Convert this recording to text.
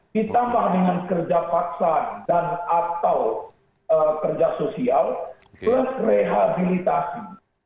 ditambah dengan kerja paksa dan atau kerja sosial plus rehabilitasi